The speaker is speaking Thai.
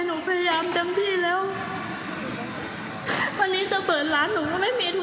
หนูพยายามเต็มที่แล้ววันนี้จะเปิดร้านหนูก็ไม่มีทุน